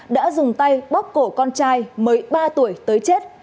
đã dùng tay bóc cổ con trai mới ba tuổi tới chết